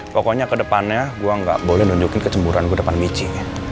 pokoknya ke depannya gue gak boleh nunjukin kecemburan gue depan michi